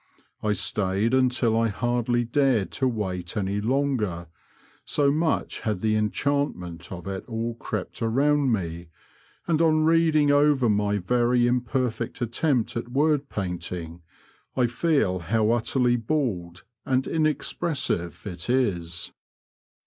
I stayed until I hardly dared to wait any longer, so much had the enchantment of it all crept around me, and on reading over my very imperfect attempt at word painting I feel how utterly bald and inex pressive it is.